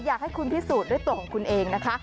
อยากให้คุณพิสูจน์ด้วยตัวของคุณเองนะคะ